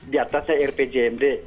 di atasnya rpjmd